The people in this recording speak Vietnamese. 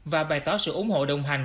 và bày tỏ sự ủng hộ đồng hành